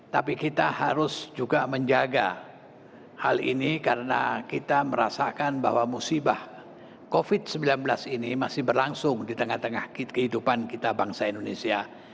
tapi kita harus juga menjaga hal ini karena kita merasakan bahwa musibah covid sembilan belas ini masih berlangsung di tengah tengah kehidupan kita bangsa indonesia